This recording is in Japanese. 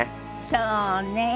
そうね。